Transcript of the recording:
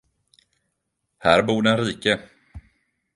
Här bor den rike